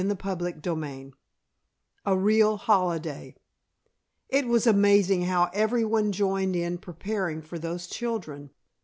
CHAPTER XXIV A REAL HOLIDAY It was amazing how everyone joined in preparing for those children.